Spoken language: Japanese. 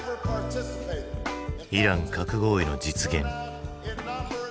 イラン核合意の実現。